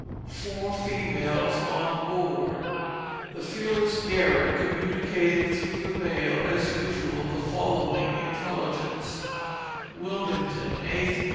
FOUR FEMALES ON BOARD. The fearless Garrett communicated through the mail, as usual, the following intelligence: WILMINGTON, 8th mo.